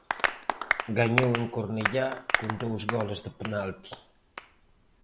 Gañou en Cornellá con dous goles de penalti.